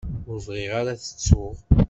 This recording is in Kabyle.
Ur bɣiɣ ara ad t-ttuɣ.